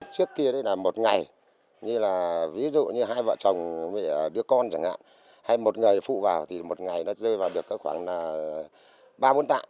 trước kia là một ngày như là ví dụ như hai vợ chồng đứa con chẳng hạn hay một người phụ vào thì một ngày nó rơi vào được khoảng ba bốn tạ